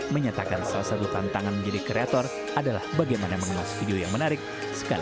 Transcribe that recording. menyatakan salah satu tantangan menjadi kreator adalah bagaimana mengemas video yang menarik sekali